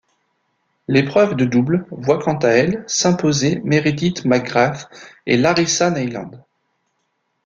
L'épreuve de double voit quant à elle s'imposer Meredith McGrath et Larisa Neiland.